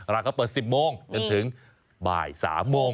ร้านเขาเปิด๑๐โมงจนถึงบ่าย๓โมง